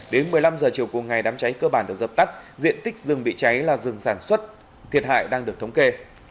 đến một mươi năm h chiều cùng ngày đám cháy cơ bản được dập tắt diện tích rừng bị cháy là rừng sản xuất thiệt hại đang được thống kê